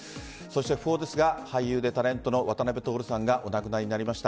訃報ですが俳優でタレントの渡辺徹さんがお亡くなりになりました。